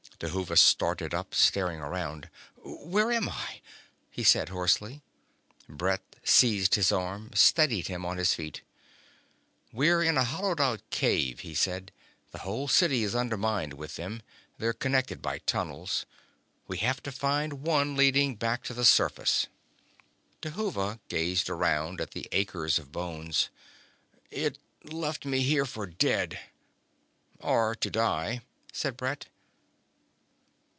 Dhuva started up, staring around. "Where am I?" he said hoarsely. Brett seized his arm, steadied him on his feet. "We're in a hollowed out cave," he said. "The whole city is undermined with them. They're connected by tunnels. We have to find one leading back to the surface." Dhuva gazed around at the acres of bones. "It left me here for dead." "Or to die," said Brett.